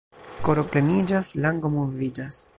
Koro pleniĝas — lango moviĝas.